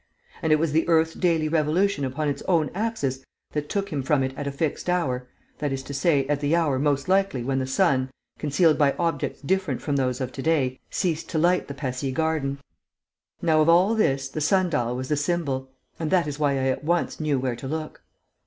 And it was the earth's daily revolution upon its own axis that took him from it at a fixed hour, that is to say, at the hour, most likely, when the sun, concealed by objects different from those of to day, ceased to light the Passy garden. Now of all this the sun dial was the symbol. And that is why I at once knew where to look."